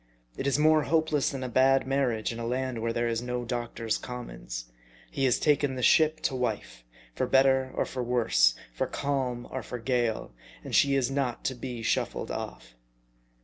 It is more hopeless than a bad marriage in a land where there is no Doctors' Com mons. He has taken the ship to wife, for better or for 22 M A R D T. worse, for calm or for gale ; and she is not to be shuffled oft*.